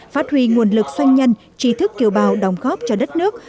phát huy nguồn lực doanh nhân trí thức kiều bào đồng góp cho đất nước